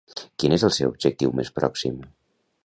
Quin és el seu objectiu més pròxim?